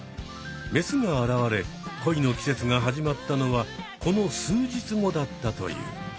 メスが現れ恋の季節が始まったのはこの数日後だったという。